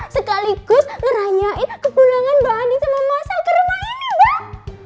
sekaligus ngerayain kebulangan mbak adin sama masa ke rumah ini mbak